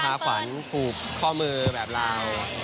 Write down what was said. เป็นพาขวัญผูบข้อมือแบบลาว